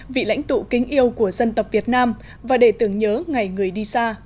vị lãnh tụ kính yêu của dân tộc việt nam và để tưởng nhớ ngày người đi xa